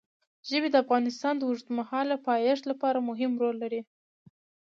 ژبې د افغانستان د اوږدمهاله پایښت لپاره مهم رول لري.